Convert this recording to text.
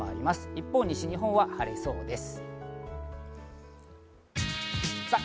一方、西日本は晴れそうです。